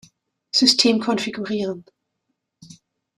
System konfigurieren.